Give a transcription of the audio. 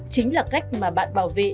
chính là cách mà bạn bảo vệ